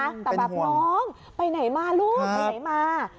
แต่แบบน้องไปไหนมาลูกไปไหนมา